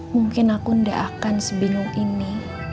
mungkin aku tidak akan sebingung ini